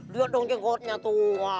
lihat dong jenggotnya tuh